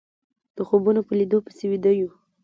د خوبونو په ليدو پسې ويده يو